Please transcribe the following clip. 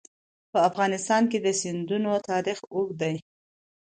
په افغانستان کې د سیندونه تاریخ اوږد دی.